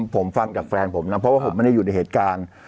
ผมฟังจากแฟนผมนะเพราะว่าผมไม่ได้อยู่ในเหตุการณ์